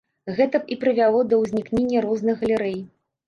Гэта б і прывяло да ўзнікнення розных галерэй.